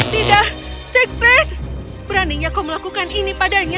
tidak segprek beraninya kau melakukan ini padanya